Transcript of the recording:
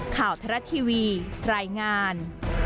ทรัฐทีวีรายงาน